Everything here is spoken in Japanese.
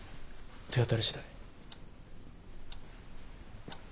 手当たりしだい。